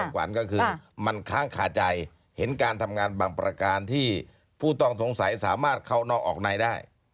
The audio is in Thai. ขวัญก็คือมันค้างคาใจเห็นการทำงานบางประการที่ผู้ต้องสงสัยสามารถเข้านอกออกในได้